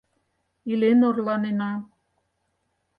Илен орланена.